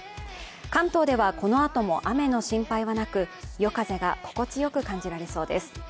関東ではこのあとも雨の心配はなく、夜風が心地よく感じられそうです。